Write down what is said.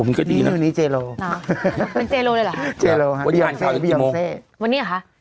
มันเจโลเลยเหรอเจโลวันนี้หันข่าวกี่โมงวันนี้หรอฮะ